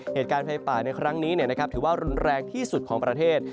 เหตุการณ์ไฟป่าในครั้งนี้ถือว่ารุนแรงที่สุดของประเทศ